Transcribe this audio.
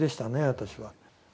私は。